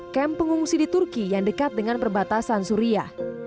kem pengungsi di turki yang dekat dengan perbatasan suria